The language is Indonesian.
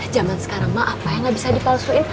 zaman sekarang mah apa yang gak bisa dipalsuin